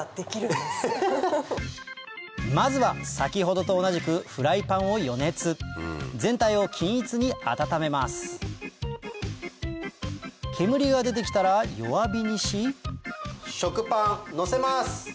まずは先ほどと同じくフライパンを予熱全体を均一に温めます煙が出てきたら弱火にし食パンのせます！